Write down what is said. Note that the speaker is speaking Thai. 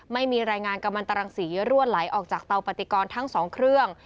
ไม่มีรายงานกำลังตรังสีรั่วไหลออกจากเตาปฏิกรทั้งสองเครื่อง